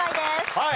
はい。